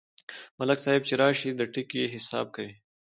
ملک صاحب چې راشي، د ټکي حساب کوي.